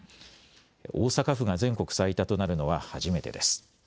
大阪府が全国最多となるのは初めてです。